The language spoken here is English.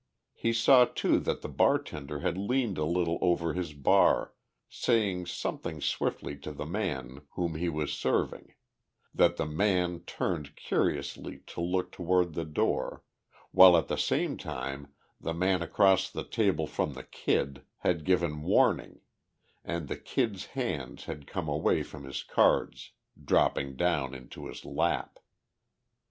He saw too that the bartender had leaned a little over his bar, saying something swiftly to the man whom he was serving; that the man turned curiously to look toward the door; while at the same time the man across the table from the Kid had given warning, and the Kid's hands had come away from his cards, dropping down into his lap.